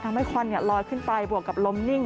ควันลอยขึ้นไปบวกกับล้มนิ่ง